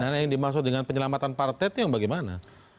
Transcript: nah yang dimaksud dengan penyelamatan partai itu yang bagaimana